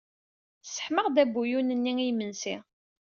Sseḥmaɣ-d abuyun-nni i yimensi.